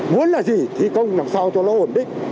muốn là gì thi công làm sao cho nó ổn định